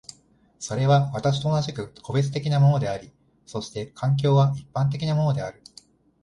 それは私と同じく個別的なものであり、そして環境は一般的なものである。